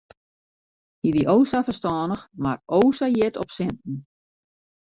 Hy wie o sa ferstannich mar o sa hjit op sinten.